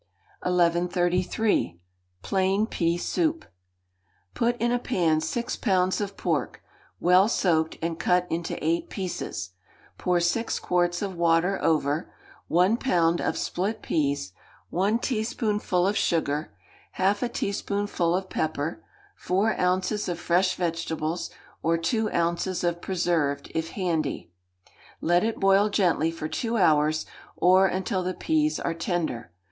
1133. Plain Pea Soup. Put in a pan six pounds of pork, well soaked and cut into eight pieces; pour six quarts of water over; one pound of split peas; one teaspoonful of sugar; half a teaspoonful of pepper; four ounces of fresh vegetables, or two ounces of preserved, if handy; let it boil gently for two hours, or until the peas are tender.